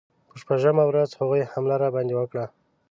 په شپږمه ورځ هغوی حمله راباندې وکړه.